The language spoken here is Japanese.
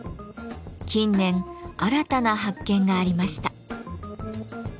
近年新たな発見がありました。